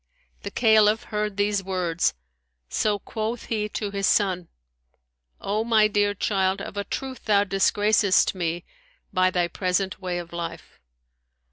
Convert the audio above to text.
The Caliph heard these words; so quoth he to his son, "O my dear child, of a truth thou disgracest me by thy present way of life."